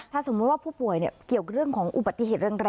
ถ้าสมมุติว่าผู้ป่วยเกี่ยวกับเรื่องของอุบัติเหตุแรง